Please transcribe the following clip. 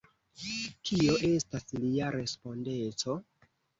Kio estas lia respondeco?